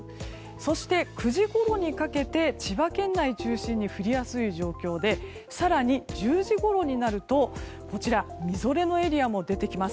そして、９時ごろにかけて千葉県内中心に降りやすい状況で更に１０時ごろになるとみぞれのエリアも出てきます。